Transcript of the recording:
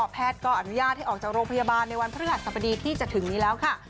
แพทย์ก็อนุญาตให้ออกจากโรงพยาบาลในวันพฤหัสสบดีที่จะถึงนี้แล้วค่ะ